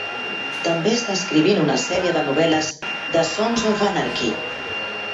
També està escrivint una sèrie de novel·les de "Sons of Anarchy".